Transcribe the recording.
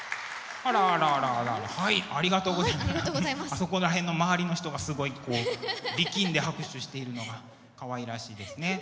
あそこら辺の周りの人がすごいこう力んで拍手しているのがかわいらしいですね。